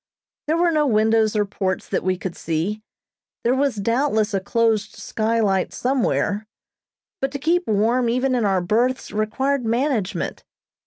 There were no windows or ports that we could see; there was doubtless a closed skylight somewhere, but to keep warm even in our berths required management.